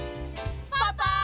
パパ！